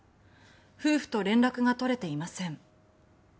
夫婦と連絡が取れていません。